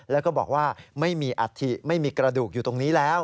แล้วก็บอกว่าไม่มีอัฐิไม่มีกระดูกอยู่ตรงนี้แล้ว